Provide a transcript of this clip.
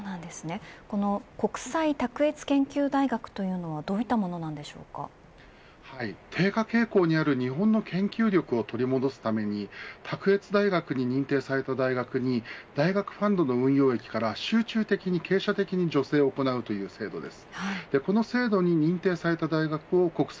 この国際卓越研究大学というのは低下傾向にある日本の研究力を取り戻すために卓越大学に認定された大学に大学ファンドの運用益から集中的に傾斜的に助成を行う制度です。